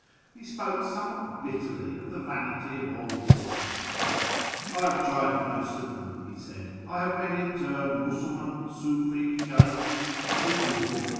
He spoke somewhat bitterly of the vanity of all systems. " I have tried most of them," he said. " I have been in turn Musulm;'m, Sufi, Sheykhi, and even Babi.